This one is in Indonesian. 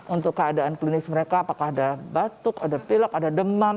untuk keadaan klinis mereka apakah ada batuk ada pilok ada demam